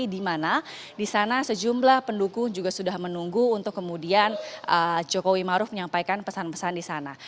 dimana disana sejumlah pendukung juga sudah menunggu untuk kemudian jokowi maruf menyampaikan pesan pesan disana